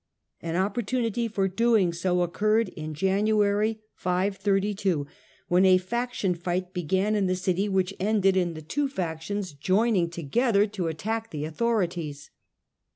An opportunity for doing so occurred in January, 532, when a faction fight began in the city which ended in the two factions joining together to attack the authorities.